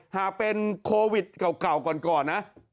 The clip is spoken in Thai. หากเป็นโควิดเก่าก่อนนะ